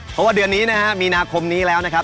เพราะว่าเดือนนี้นะครับมีนาคมนี้แล้วนะครับ